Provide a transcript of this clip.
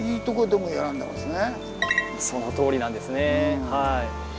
そのとおりなんですね。